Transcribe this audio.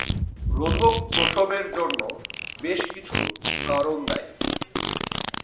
রোধক প্রসবের জন্য বেশ কিছু কারণ দায়ী।